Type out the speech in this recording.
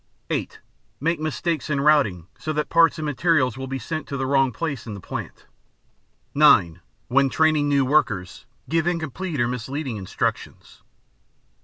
(8) Make mistakes in routing so that parts and materials will be sent to the wrong place in the plant. (9) When training new workers, give incomplete or misleading instructions.